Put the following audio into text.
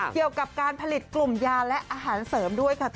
เกี่ยวกับการผลิตกลุ่มยาและอาหารเสริมด้วยค่ะ